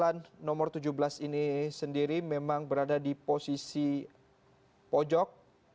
pasangan nomor tujuh belas ini sendiri memang berada di posisi pojok